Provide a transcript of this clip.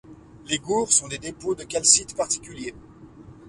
Les gours sont des dépôts de calcite particuliers.